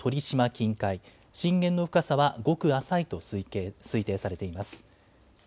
近海、震源の深さはごく浅いと推定されています。